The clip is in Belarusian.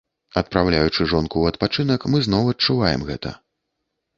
Адпраўляючы жонку ў адпачынак, мы зноў адчуваем гэта.